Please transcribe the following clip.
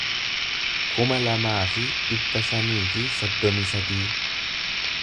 kuma lamaa fi dhibba shanii fi soddomii sadii